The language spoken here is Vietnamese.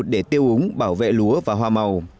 để tiêu úng bảo vệ lúa và hoa màu